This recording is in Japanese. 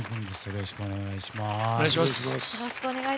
よろしくお願いします。